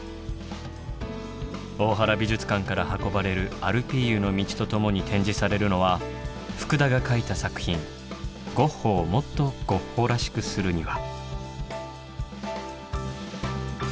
大原美術館から運ばれる「アルピーユの道」と共に展示されるのは福田が描いた作品「ゴッホをもっとゴッホらしくするには」。